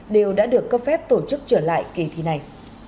đều đã được cấp phép tổ chức trở lại kỳ thi này